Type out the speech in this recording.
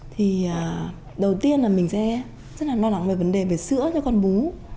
thì đầu tiên là mình sẽ rất là lo lắng về vấn đề về sữa cho con bú